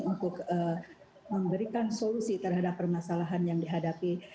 untuk memberikan solusi terhadap permasalahan yang dihadapi